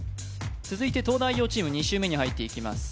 続いて東大王チーム２周目に入っていきます